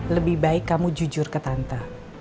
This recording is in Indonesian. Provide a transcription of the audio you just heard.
lebih baik kamu jujur ke tante